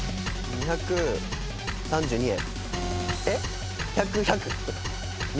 ２３２円？